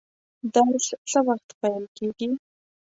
درس څه وخت پیل کیږي؟